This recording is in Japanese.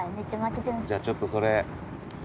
じゃあちょっとそれ。